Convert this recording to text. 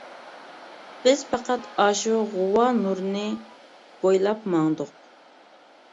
بىز پەقەت ئاشۇ غۇۋا نۇرنى بويلاپ ماڭدۇق.